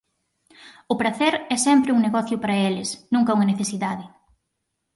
O pracer é sempre un negocio para eles, nunca unha necesidade.